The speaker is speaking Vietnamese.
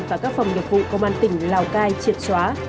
và các phòng nghiệp vụ công an tỉnh lào cai triệt xóa